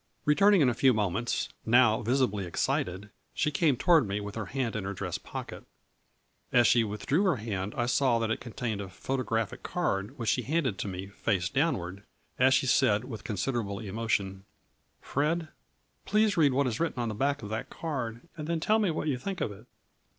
Returning in a few moments, now visibly ex cited, she came toward me, with her hand in her dress pocket. As she withdrew her hand I saw that it contained a photographic card which she handed to me, face downward, as she said, with considerable emotion :" Fred, please read what is written upon the back of that card and then tell me what you think of it."